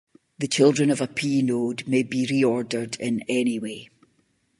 The children of a P node may be reordered in any way.